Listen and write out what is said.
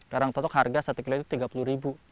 kerang totok harga satu kg itu rp tiga puluh